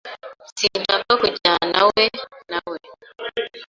Sinshaka kujyanawe nawe .